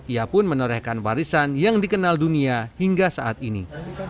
ia pun menorehkan warisan yang dikenal dunia hingga saat ini